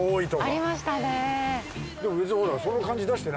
ありましたね。